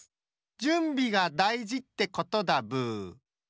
じゅんびがだいじってことだブー。